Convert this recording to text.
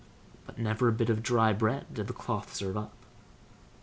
But never a bit of dry bread did the cloth serve up.